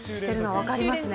分かりますね。